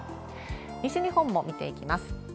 西日本も見ていきます。